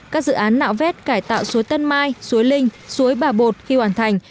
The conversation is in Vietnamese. các dự án nạo vét cải tạo suối tân mai suối linh suối bà bột khi hoàn thành